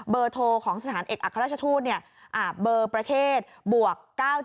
เบอร์โทรศัพท์ของสถานเอกอักษรรชธูษฎิ์ในเบอร์ประเทศบวก๙๗๒